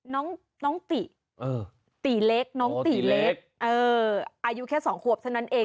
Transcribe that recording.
น้องติตีเล็กน้องตีเล็กอายุแค่๒ขวบเท่านั้นเอง